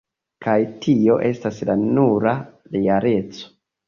Kaj tio, estas la nura realeco.